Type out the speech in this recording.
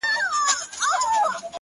د وجود غړي د هېواد په هديره كي پراته”